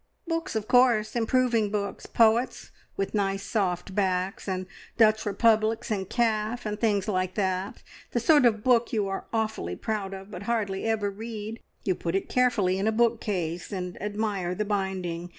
"Books, of course. Improving books. Poets, with nice soft backs, and Dutch Republics in calf, and things like that. The sort of book you are awfully proud of, but hardly ever read. You put it carefully in a bookcase, and admire the binding.